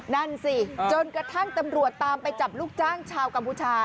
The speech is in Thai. นั่นสิจนกระทั่งตำรวจตามไปจับลูกจ้างชาวกัมพูชา